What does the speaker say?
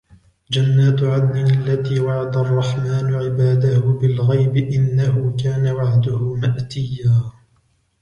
جنات عدن التي وعد الرحمن عباده بالغيب إنه كان وعده مأتيا